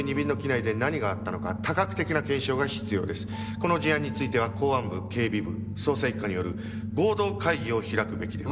この事案については公安部警備部捜査一課による合同会議を開くべきでは？